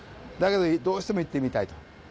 だけど、どうしても行ってみたい。